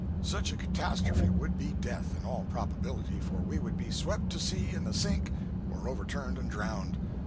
Such a catastrophe would be death, in all probability, for we would be swept to sea in the "Sink" or overturned and drowned.